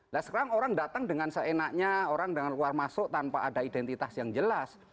nah sekarang orang datang dengan seenaknya orang dengan luar masuk tanpa ada identitas yang jelas